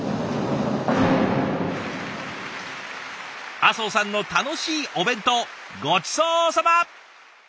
阿相さんの楽しいお弁当ごちそうさま！